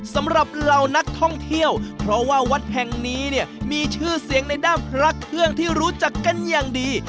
เหล่านักท่องเที่ยวเพราะว่าวัดแห่งนี้เนี่ยมีชื่อเสียงในด้านพระเครื่องที่รู้จักกันอย่างดี